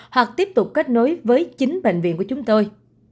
hoặc tiếp tục kết nối với chính bệnh viện của chúng tôi